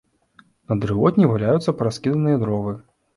На дрывотні валяюцца параскіданыя дровы.